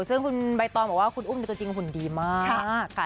ซึ่งคุณใบตองบอกว่าคุณอุ้มตัวจริงหุ่นดีมากค่ะ